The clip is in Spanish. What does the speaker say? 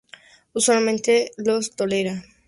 Usualmente los tolera.